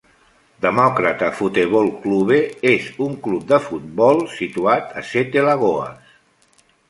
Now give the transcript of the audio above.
Democrata Futebol Clube és un club de futbol situat a Sete Lagoas.